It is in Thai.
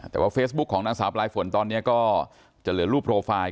แต่ว่าเฟสบุ๊คของนักสารตอนเนี้ยก็จะเหลือรูปโปรไฟล์